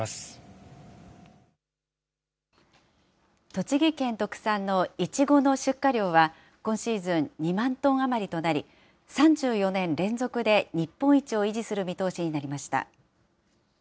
栃木県特産のイチゴの出荷量は、今シーズン、２万トン余りとなり、３４年連続で日本一を維持する見通しになりました。